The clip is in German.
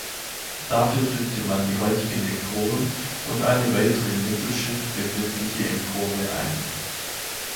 Dafür fügte man die heutigen Emporen und eine weitere im Mittelschiff befindliche Empore ein.